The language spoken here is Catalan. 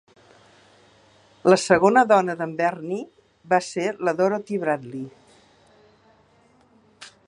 La segona dona d'en Bernie va ser la Dorothy Bradley.